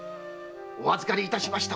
「お預かりしました